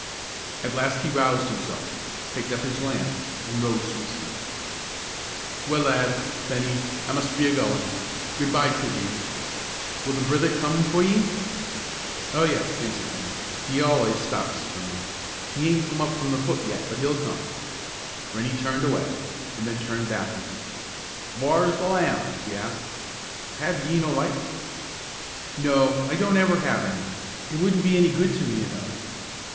At last he roused himself, picked up his lamp, and rose to his feet. "Well, lad, Bennie, I mus' be a goin'; good by till ye. Will the brither come for ye?" "Oh, yes!" answered Bennie, "Tom al'ays stops for me; he aint come up from the foot yet, but he'll come." Rennie turned away, then turned back again. "Whaur's the lamp?" he asked; "have ye no licht?" "No; I don't ever have any. It wouldn't be any good to me, you know."